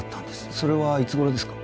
それはいつ頃ですか？